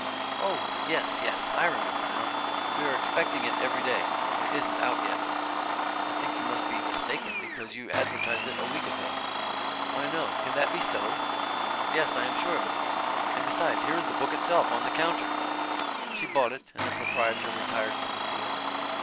"Oh! Yes yes I remember, now. We are expecting it every day. It isn't out yet." "I think you must be mistaken, because you advertised it a week ago." "Why no can that be so?" "Yes, I am sure of it. And besides, here is the book itself, on the counter." She bought it and the proprietor retired from the field.